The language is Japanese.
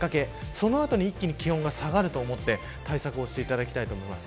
その後に一気に気温が下がると思って対策をしてもらいたいと思います。